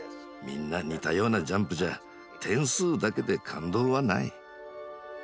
みんな似たようなジャンプじゃあ点数だけで感動はない。